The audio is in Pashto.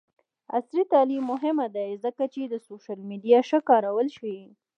عصري تعلیم مهم دی ځکه چې د سوشل میډیا ښه کارول ښيي.